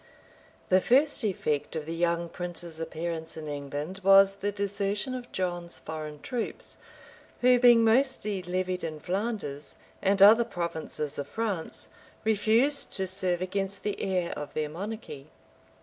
The first effect of the young prince's appearance in England was the desertion of John's foreign troops, who, being mostly levied in Flanders, and other provinces of France, refused to serve against the heir of their monarchy.